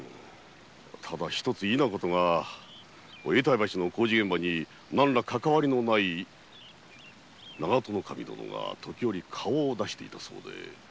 一つ異なことに永代橋の工事現場に何らかかわりのない長門守殿が時折顔を出していたそうで。